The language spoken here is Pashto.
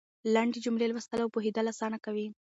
لنډې جملې لوستل او پوهېدل اسانه کوي.